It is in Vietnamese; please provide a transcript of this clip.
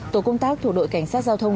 tổ công tác thuộc đội cảnh sát giao thông